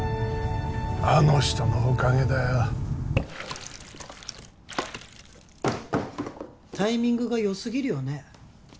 あの人のおかげだよタイミングがよすぎるよね